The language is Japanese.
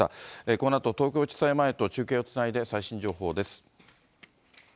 このあと、東京地裁前と中継をつないで、最新情報です。